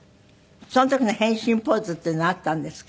その時の変身ポーズっていうのあったんですか？